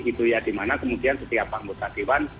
itu ya di mana kemudian setiap anggota dewan